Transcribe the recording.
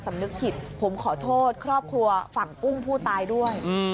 สำนึกผิดผมขอโทษครอบครัวฝั่งกุ้งผู้ตายด้วย